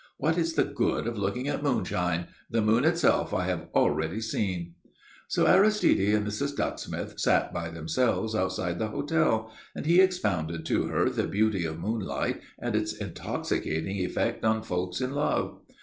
"What is the good of looking at moonshine? The moon itself I have already seen." So Aristide and Mrs. Ducksmith sat by themselves outside the hotel, and he expounded to her the beauty of moonlight and its intoxicating effect on folks in love.